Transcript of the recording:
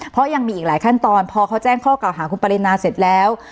เพราะยังมีอีกหลายขั้นตอนพอเขาแจ้งข้อเก่าหาคุณปรินาเสร็จแล้ว